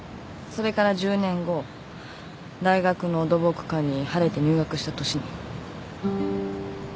それから１０年後大学の土木科に晴れて入学した年に。